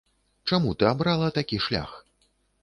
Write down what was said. Чаму ты абрала такі шлях?